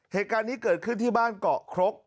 เหตุการณ์นี้เกิดขึ้นที่บ้านเกาะครก